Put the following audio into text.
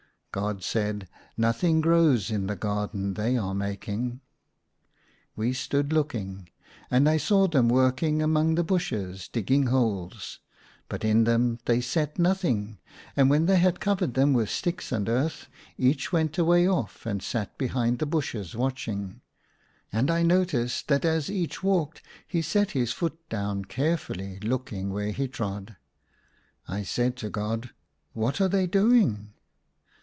God said, " Nothing grows in the garden they are making." We stood looking ; and I saw them working among the bushes, digging holes, but in them they set nothing ; and when they had covered ACROSS MY BED. 137 them with sticks and earth each went a way off and sat behind the bushes watching ; and I noticed that as each walked he set his foot down carefully looking where he trod. I said to God, *' What are they doing